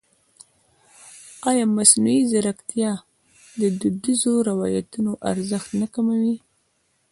ایا مصنوعي ځیرکتیا د دودیزو روایتونو ارزښت نه کموي؟